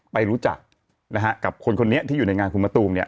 ไปรู้จักนะฮะกับคนคนนี้ที่อยู่ในงานคุณมะตูมเนี่ย